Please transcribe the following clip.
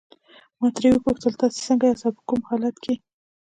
ما ترې وپوښتل تاسي څنګه یاست او په کوم حالت کې.